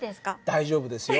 大丈夫ですよ。